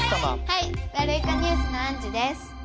はいワルイコニュースのあんじゅです。